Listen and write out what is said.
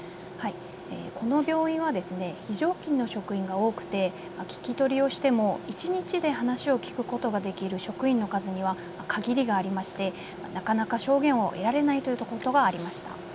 この病院は非常勤の職員が多くて聞き取りをしても一日で話を聞くことができる職員の数には限りがありまして、なかなか証言を得られないということがありました。